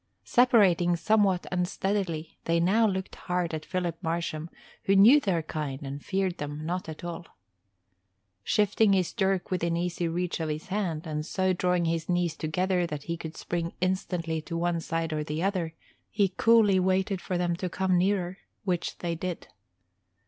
Separating somewhat unsteadily, they now looked hard at Philip Marsham who knew their kind and feared them not at all. Shifting his dirk within easy reach of his hand, and so drawing his knees together that he could spring instantly to one side or the other, he coolly waited for them to come nearer, which they did.